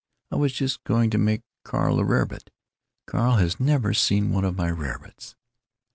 I was just going to make Carl a rarebit. Carl has never seen one of my rarebits."